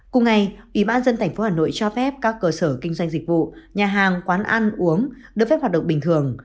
cùng ngày ủy ban dân thành phố hà nội cho phép các cơ sở kinh doanh dịch vụ nhà hàng quán ăn uống đưa phép hoạt động bình thường